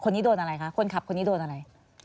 โดนอะไรคะคนขับคนนี้โดนอะไร